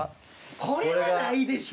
これはないでしょ。